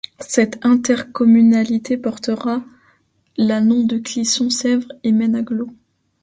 Cette intercommunalité portera la nom de Clisson Sèvre et Maine Agglo.